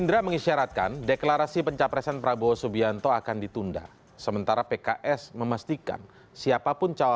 janganlah jangan k produksi asian